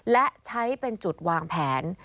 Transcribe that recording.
และใช้เป็นจุดวางแผน